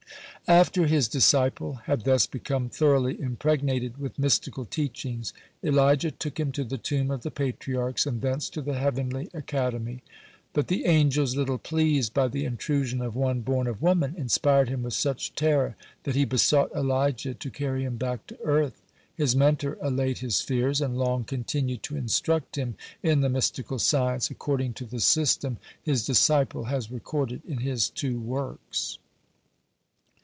After his disciple had thus become thoroughly impregnated with mystical teachings, Elijah took him to the tomb of the Patriarchs, and thence to the heavenly academy. But the angels, little pleased by the intrusion of one "born of woman," inspired him with such terror that he besought Elijah to carry him back to earth. His mentor allayed his fears, and long continued to instruct him in the mystical science, according to the system his disciple has recorded in his two works.